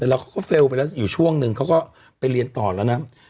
แล้วเขาก็เฟลล์ไปแล้วอยู่ช่วงนึงเขาก็ไปเรียนต่อแล้วนะ